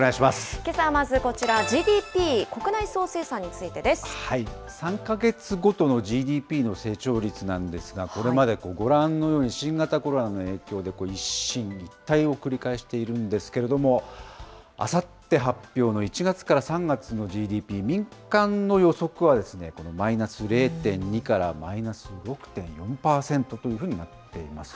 けさはまずこちら、ＧＤＰ・３か月ごとのＧＤＰの成長率なんですが、これまでご覧のように、新型コロナの影響で、一進一退を繰り返しているんですけれども、あさって発表の１月から３月のＧＤＰ、民間の予測はこのマイナス０．２からマイナス６．４％いうふうになっています。